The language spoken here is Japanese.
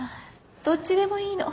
どっちでもいいの。